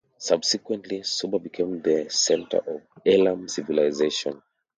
Subsequently, Susa became the centre of Elam civilization.